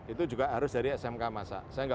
itu juga harus dari smk masak